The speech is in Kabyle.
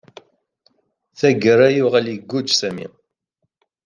Tagara, yuɣal iguǧǧ Sami.